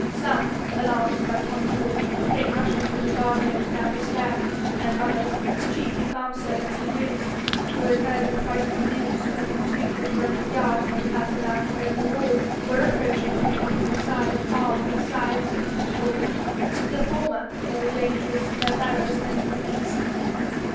Some, alarmed by Tom Fool, came rushing from the guard rooms down the stair, and others, chiefly farm servants and grooms, who had heard the frightful news from two that were in the yard when the panther bounded over the wall, were approaching from the opposite side, armed with scythes and pitchforks, the former more dangerous to their bearers than to the beast.